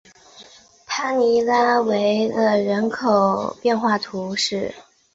帕尼拉维勒人口变化图示